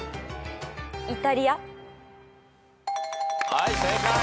はい正解。